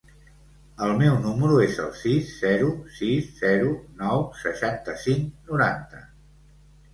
El meu número es el sis, zero, sis, zero, nou, seixanta-cinc, noranta.